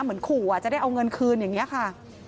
เหมือนขู่จะได้เอาเงินคืนอย่างนี้ค่ะ